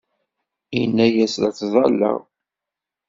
Ini-as la ttẓallaɣ.